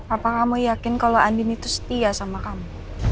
apa kamu yakin kalau andini itu setia sama kamu